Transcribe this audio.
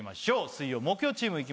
水曜・木曜チームいきますよ。